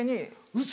ウソ！